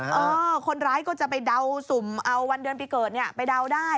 เออคนร้ายก็จะไปเดาสุ่มเอาวันเดือนปีเกิดเนี่ยไปเดาได้